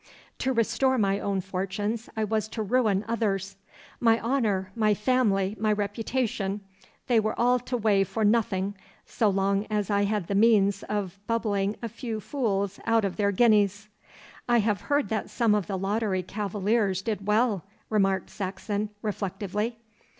To restore my own fortunes I was to ruin others. My honour, my family, my reputation, they were all to weigh for nothing so long as I had the means of bubbling a few fools out of their guineas.' 'I have heard that some of the lottery cavaliers did well,' remarked Saxon reflectively.